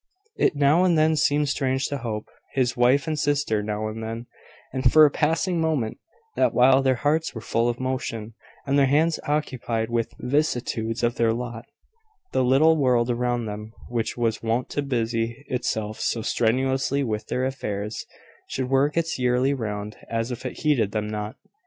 It now and then seemed strange to Hope, his wife and sister now and then, and for a passing moment that while their hearts were full of motion and their hands occupied with the vicissitudes of their lot, the little world around them, which was wont to busy itself so strenuously with their affairs, should work its yearly round as if it heeded them not.